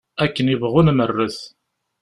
Akken ibɣu nmerret.